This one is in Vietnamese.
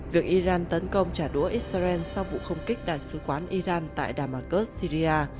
việc iran tấn công trả đũa israel sau vụ không kích đại sứ quán iran tại damasus syria